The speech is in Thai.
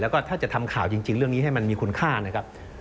แล้วก็ถ้าจะทำข่าวจริงเรื่องนี้ให้มันมีคุณค่านะครับ